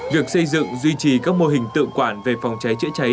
việc xây dựng duy trì các mô hình tự quản về phòng cháy chữa cháy